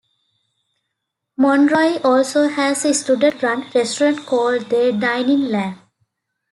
Monroe also has a student-run restaurant called The Dining Lab.